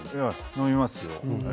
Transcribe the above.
飲みますよ。